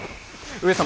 上様！